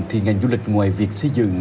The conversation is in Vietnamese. thì ngành du lịch ngoài việc xây dựng